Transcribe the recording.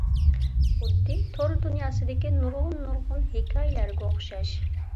خۇددى تور دۇنياسىدىكى نۇرغۇن نۇرغۇن ھېكايىلەرگە ئوخشاش.